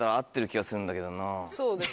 そうですね。